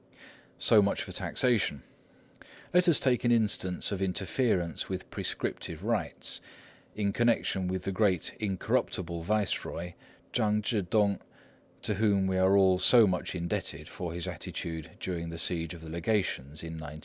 So much for taxation. Let us take an instance of interference with prescriptive rights, in connection with the great incorruptible viceroy, Chang Chih tung, to whom we are all so much indebted for his attitude during the Siege of the Legations in 1900.